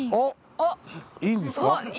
あっいいんですか？